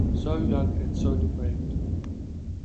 So young and so depraved!